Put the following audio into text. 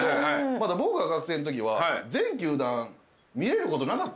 まだ僕が学生のときは全球団見れることなかったんで。